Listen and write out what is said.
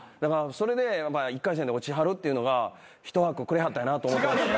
それで１回戦で落ちはるっていうのが１枠くれはったんやなと思うてます。